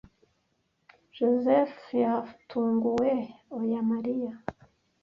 Josehl yatunguwe oya Mariya.